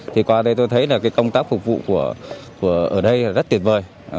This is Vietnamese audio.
thì qua đây tôi thấy công tác phục vụ ở đây rất tuyệt vời